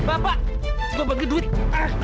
bapak gua bagi duit